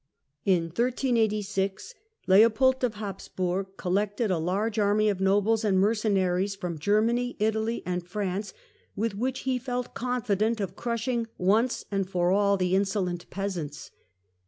In 1386 Leopold of Habsburg collected a large army of nobles and mercenaries from Germany, Italy and France, with which he felt confident of crushing once and for all the insolent peasants.